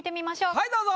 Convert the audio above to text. はいどうぞ。